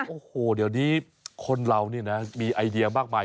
โอ้โหเดี๋ยวนี้คนเรานี่นะมีไอเดียมากมาย